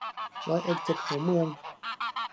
ร้อยเอ็ดเจ็ดหัวเมือง